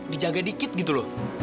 dijaga dikit gitu loh